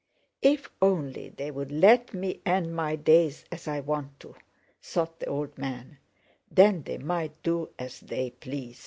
"If only they would let me end my days as I want to," thought the old man, "then they might do as they please."